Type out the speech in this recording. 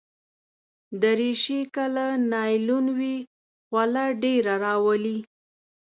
دریشي که له نایلون وي، خوله ډېره راولي.